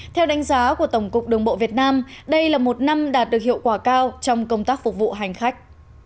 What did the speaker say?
theo đánh giá của tổng cục đường bộ việt nam đây là một năm đạt được hiệu quả cao trong công tác phục vụ hành khách